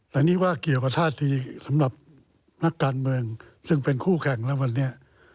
แต่นี่ว่าเกี่ยวกับท่าทีสำหรับนักการเมืองซึ่งเป็นคู่แข่งแล้ววันนี้